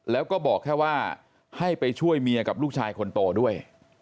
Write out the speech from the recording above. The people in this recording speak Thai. แล้วก็บอกแค่ว่าให้ไปช่วยเมียกับลูกชายคนโตด้วย